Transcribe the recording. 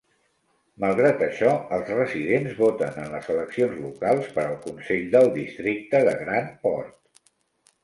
Malgrat això, els residents voten en les eleccions locals per al consell del Districte de Grand Port.